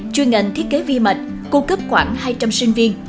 chuyên ngành thiết kế vi mạch cung cấp khoảng hai trăm linh sinh viên